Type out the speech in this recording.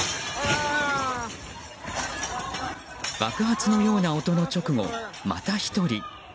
爆発のような音の直後、また１人。